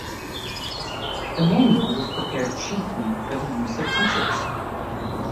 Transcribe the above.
The manual was prepared chiefly for the use of teachers.